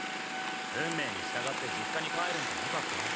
運命に従って実家に帰るんじゃなかった？